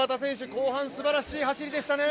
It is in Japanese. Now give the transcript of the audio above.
後半、すばらしい走りでしたね。